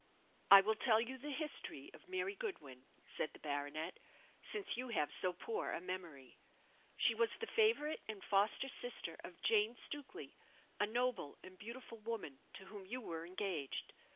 "I will tell you the history of Mary Goodwin," said the baronet, "since you have so poor a memory. She was the favourite and foster sister of Jane Stukely, a noble and beautiful woman, to whom you were engaged.